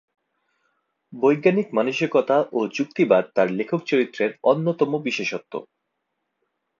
বৈজ্ঞানিক মানসিকতা ও যুক্তিবাদ তার লেখক চরিত্রের অন্যতম বিশেষত্ব।